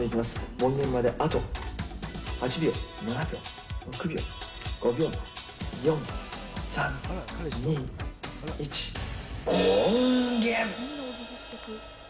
門限まであと８秒、７秒、６秒、５秒前、４、３、２、１、門限！